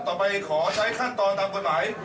ขอไปขอใช้ขั้นตอนตามกฎหมาย